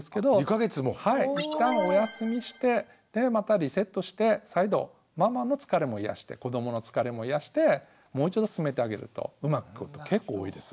はい一旦お休みしてまたリセットして再度ママの疲れも癒やして子どもの疲れも癒やしてもう一度進めてあげるとうまくいくこと結構多いです。